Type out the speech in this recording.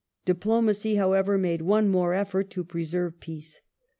Diplomacy, how ever, made one more effort to preserve peace.